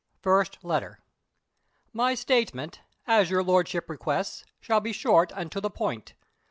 First Letter. "My statement, as your Lordship requests, shall be short and to the point.